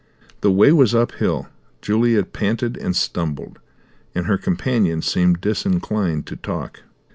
The way was uphill; Juliet panted and stumbled; and her companion seemed disinclined to talk.